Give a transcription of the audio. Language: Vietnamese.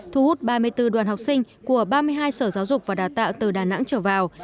thu hút ba mươi bốn đoàn học sinh của ba mươi hai sở giáo dục và đào tạo từ đà nẵng trở vào